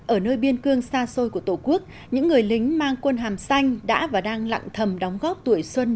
ở nơi biên cương xa xôi của tổ quốc những người lính mang quân hàm xanh đã và đang lặng thầm đóng góp tuổi xuân